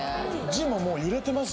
字ももう揺れてます